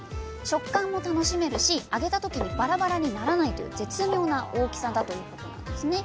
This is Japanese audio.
食感も楽しめるし揚げた時にバラバラにならないという絶妙な大きさだということなんですね。